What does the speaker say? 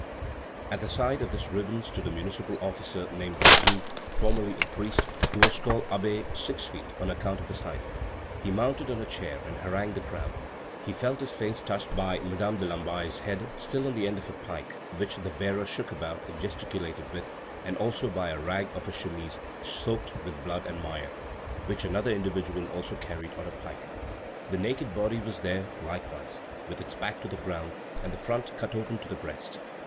At the side of this ribbon stood a municipal officer named Danjou, formerly a priest, who was called Abbé Six feet, on account of his height. He mounted on a chair and harangued the crowd. He felt his face touched by Madame de Lamballe's head, still on the end of a pike which the bearer shook about and gesticulated with, and also by a rag of her chemise, soaked with blood and mire, which another individual also carried on a pike. The naked body was there likewise, with its back to the ground and the front cut open to the very breast.